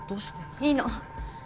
いいの！